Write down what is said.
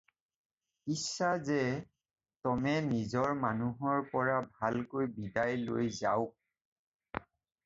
ইচ্ছা যে, টমে নিজৰ মানুহৰ পৰা ভালকৈ বিদায় লৈ যাওক।